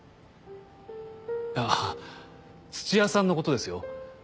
あぁ土屋さんのことですよ。